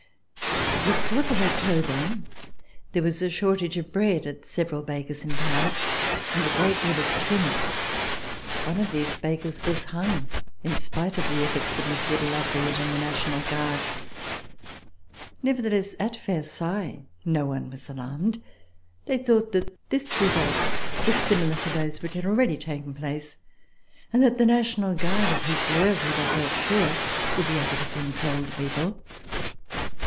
The fourth of October there was a shortage of bread at several bakers in Paris and a great deal of tumult. One of these bakers was hung, in spite of the efforts of Monsieur de La Fayette and the National Guard. Nevertheless, at Versailles no one was alarmed. They thought that this revolt was similar to those which had already taken place and that the National Guard, of whose loyalty they felt sure, would be able to control the people.